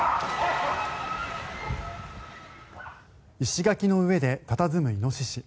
石垣の上で佇むイノシシ。